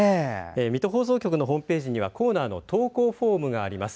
水戸放送局のホームページにはコーナーの投稿フォームがあります。